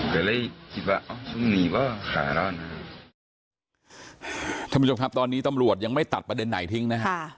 ท่านผู้ชมครับตอนนี้ตำรวจยังไม่ตัดประเด็นไหนทิ้งนะครับ